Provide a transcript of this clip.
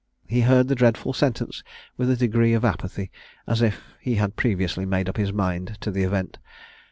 He heard the dreadful sentence with a degree of apathy, as if he had previously made up his mind to the event.